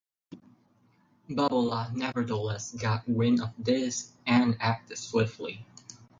Babullah nevertheless got wind of this and acted swiftly.